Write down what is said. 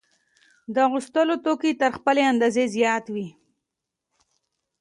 د اغوستلو توکي تر خپلې اندازې زیات وي